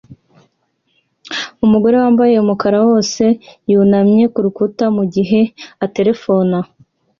Umugore wambaye umukara wose yunamye kurukuta mugihe aterefona